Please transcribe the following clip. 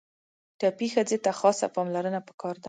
ټپي ښځې ته خاصه پاملرنه پکار ده.